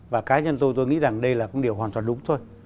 và cá nhân tôi tôi nghĩ rằng đây là điều hoàn toàn đúng thôi